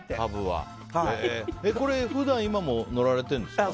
普段、今も乗られてるんですか。